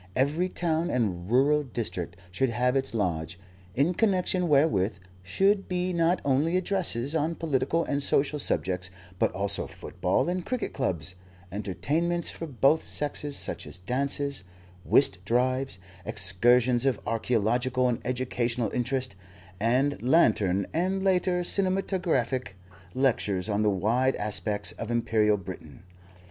Every town and rural district should have its lodge, in connection wherewith should be not only addresses on political and social subjects, but also football and cricket clubs, entertainments for both sexes such as dances, whist drives, excursions of archaeological and educational interest, and lantern (and, later, cinematographic) lectures on the wide aspects of Imperial Britain.